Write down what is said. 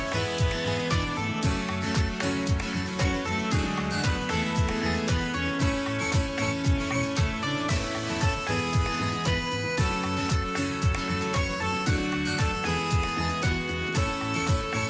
โปรดติดตามตอนต่อไป